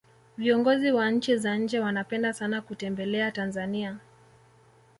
viongozi wa nchi za nje wanapenda sana kutembelea tanzania